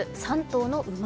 ３頭の馬。